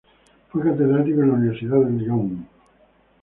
Fue catedrático en la universidad de Lyon.